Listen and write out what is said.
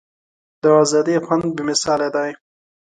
د ازادۍ خوند بې مثاله دی.